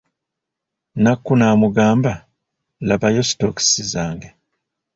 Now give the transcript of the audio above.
Nakku n'amugamba, labayo sitookisi zange.